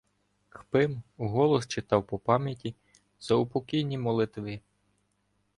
Кпим уголос читав по пам'яті заупокійні молитви.